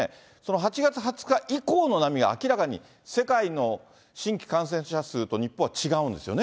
８月２０日以降の波が、明らかに世界の新規感染者数と日本は違うんですよね？